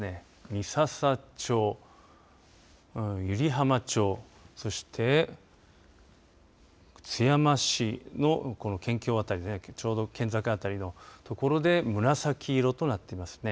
三朝町湯梨浜町、そして津山市の県境あたりちょうど県境のあたりのところで紫色となっていますね。